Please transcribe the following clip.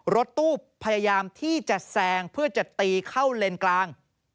รถตู้พยายามที่จะแซงเพื่อจะตีเข้าเลนกลาง